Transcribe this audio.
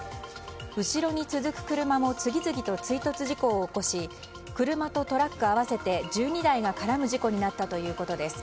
後ろに続く車も次々と追突事故を起こし車とトラック合わせて１２台が絡む事故になったということです。